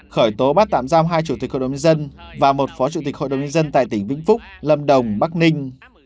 khởi tố bắt tạm giam hai chủ tịch hội đồng nhân dân và một phó chủ tịch hội đồng nhân dân tại tỉnh vĩnh phúc lâm đồng bắc ninh